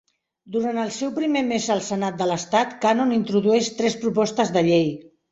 Durant el seu primer mes al senat de l'estat, Cannon introdueix tres propostes de llei.